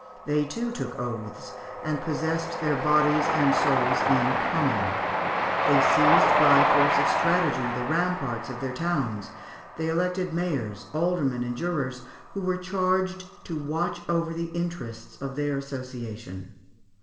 They too took oaths, and possessed their bodies and souls in "common;" they seized, by force of strategy, the ramparts of their towns; they elected mayors, aldermen, and jurors, who were charged to watch over the interests of their association.